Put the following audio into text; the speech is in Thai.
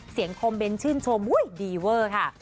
เสียงคอมเบนชื่นชมอุ๊ยดีเวอร์ค่ะ